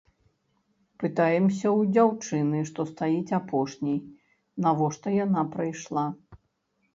Пытаемся ў дзяўчыны, што стаіць апошняй, навошта яна прыйшла.